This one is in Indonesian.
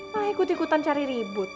nah ikut ikutan cari ribut